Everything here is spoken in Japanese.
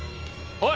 おい！